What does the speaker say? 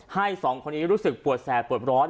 สองคนนี้รู้สึกปวดแสบปวดร้อน